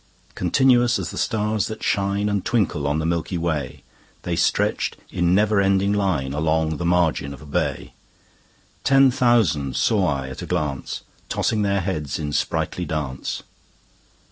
Continuous as the stars that shine And twinkle on the milky way, They stretched in never ending line Along the margin of a bay: 10 Ten thousand saw I at a glance, Tossing their heads in sprightly dance.